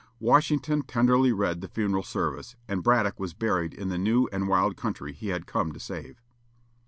Washington tenderly read the funeral service, and Braddock was buried in the new and wild country he had come to save.